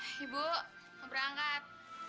hai ibu berangkat